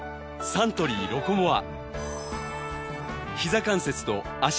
サントリー「ロコモア」